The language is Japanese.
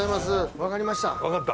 わかりました。